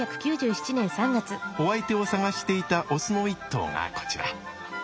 お相手を探していたオスの一頭がこちら。